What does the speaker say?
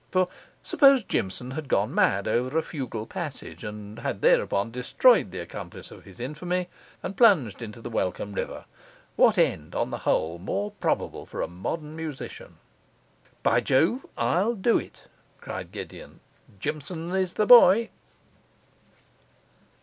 For, suppose Jimson had gone mad over a fugal passage, and had thereupon destroyed the accomplice of his infamy, and plunged into the welcome river? What end, on the whole, more probable for a modern musician? 'By Jove, I'll do it,' cried Gideon. 'Jimson is the boy!